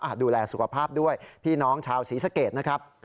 ดูแลสุขภาพด้วยพี่น้องชาวศรีสะเกดนะครับ